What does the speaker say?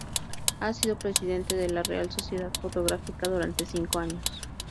Ha sido presidente de la Real Sociedad Fotográfica durante cinco años.